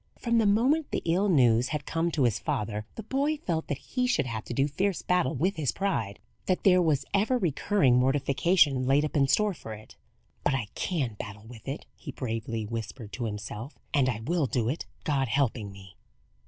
From the moment the ill news had come to his father, the boy felt that he should have to do fierce battle with his pride; that there was ever recurring mortification laid up in store for it. "But I can battle with it," he bravely whispered to himself: "and I will do it, God helping me."